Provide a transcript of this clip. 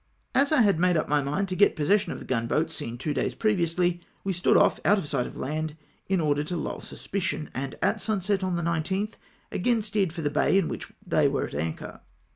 As I had made up my mind to get possession of the gunboats seen two days previously, we stood off out of sight of land in order to lull suspicion, and at sunset on the 19th again steered for the bay in which they were at anchor.